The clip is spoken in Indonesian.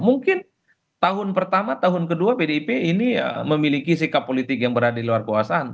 mungkin tahun pertama tahun kedua pdip ini memiliki sikap politik yang berada di luar kekuasaan